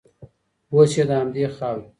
اوس یې د همدې خاورې